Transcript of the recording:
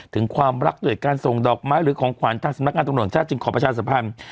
ถึงความรักด้วยการส่งดอกไม้หรือของขวัญทางสำนักงานตำรวจชาติจึงขอประชาสัมพันธ์